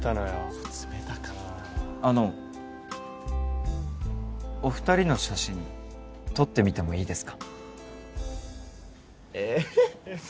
そう冷たかったあのお二人の写真撮ってみてもいいですか？